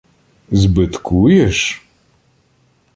— Збиткуєш?!